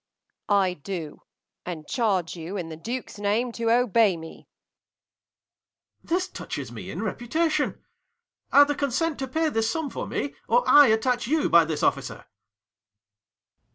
Off. I do; and charge you in the duke's name to obey me. 70 Ang. This touches me in reputation. Either consent to pay this sum for me, Or I attach you by this officer.